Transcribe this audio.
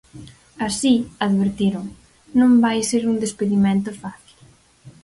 Así, advertiron: "Non vai ser un despedimento fácil".